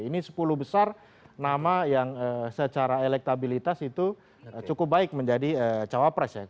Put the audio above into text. ini sepuluh besar nama yang secara elektabilitas itu cukup baik menjadi cawapres ya